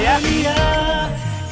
iya apa yuk